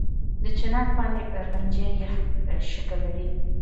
د چنار پاڼې پنجه یي شکل لري